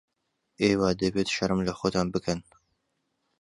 ئێوە دەبێت شەرم لە خۆتان بکەن.